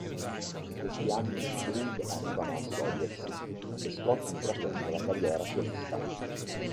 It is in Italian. In questi anni i Creed arrivano a sciogliersi e Scott intraprende la carriera solista.